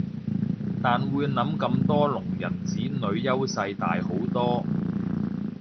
但會諗咁多聾人子女優勢大好多